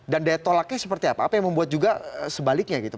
dan daya tolaknya seperti apa apa yang membuat juga sebaliknya gitu